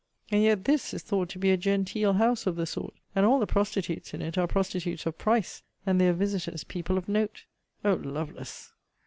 And yet this is thought to be a genteel house of the sort; and all the prostitutes in it are prostitutes of price, and their visiters people of note. O, Lovelace!